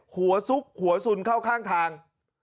ซุกหัวสุนเข้าข้างทาง